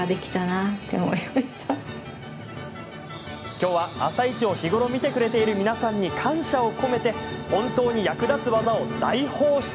今日は「あさイチ」を日頃、見てくれている皆さんに感謝を込めて本当に役立つワザを大放出。